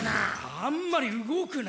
あんまり動くな。